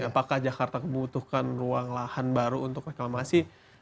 apakah jakarta membutuhkan ruang lahan baru untuk reklamasi